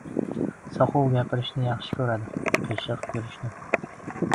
• Soqov gapirishni yaxshi ko‘radi, qiyshiq — yurishni.